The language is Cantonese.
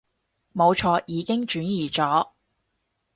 冇錯，已經轉移咗